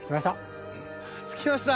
着きました